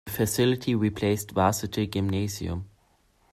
The facility replaced Varsity Gymnasium.